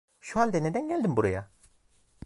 Şu halde neden geldim buraya?